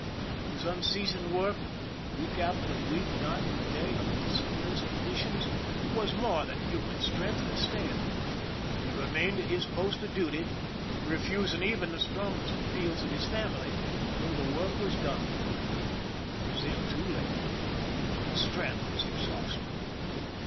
His unceasing work week after week, night and day, under the severest conditions, was more than human strength could stand. He remained at his post of duty, refusing even the strongest appeals of his family, till the work was done. It was then too late ; his strength was exhausted.